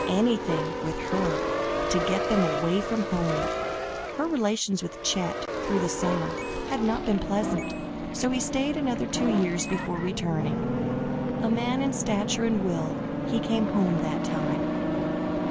Anything, with her, to get them away from home. Her relations with Chet, through the summer, had not been pleasant, so he stayed another two years before returning. A man in stature and will he came home that time.